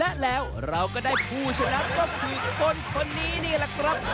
และแล้วเราก็ได้ผู้ชนะก็คือคนคนนี้นี่แหละครับ